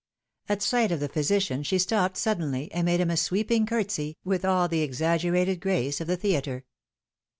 At sight of the physician she stopped suddenly, and made him a sweeping curtsy, with all the exaggerated grace of the theatre.